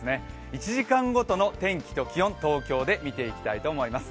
１時間ごとの天気と気温、東京で見ていきたいと思います。